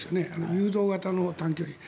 誘導型の短距離の。